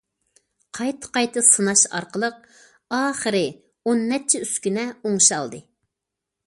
قايتا- قايتا سىناش ئارقىلىق، ئاخىرى ئون نەچچە ئۈسكۈنە ئوڭشالدى.